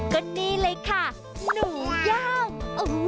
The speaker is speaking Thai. ก็นี่เลยค่ะหนูย่าง